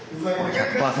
１００％。